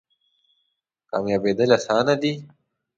کامیابیدل اسانه دی؟